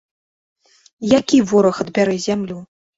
Які вораг адбярэ зямлю?